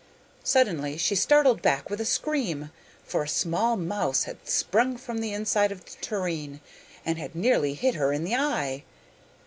Suddenly she startled back with a scream, for a small mouse had sprung from the inside of the tureen, and had nearly hit her in the eye.